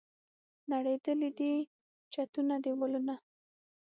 نړېدلي دي چتونه، دیوالونه